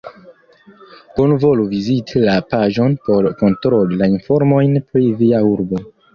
Bonvolu viziti la paĝon por kontroli la informojn pri via urbo.